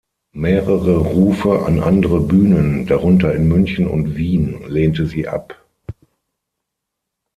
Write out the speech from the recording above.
Mehrere Rufe an andere Bühnen, darunter in München und Wien, lehnte sie ab.